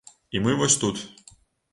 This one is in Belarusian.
І мы вось тут.